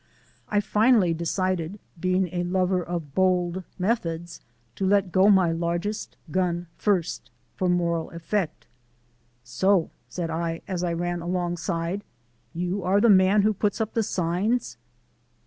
I finally decided, being a lover of bold methods, to let go my largest gun first for moral effect. "So," said I, as I ran alongside, "you are the man who puts up the signs."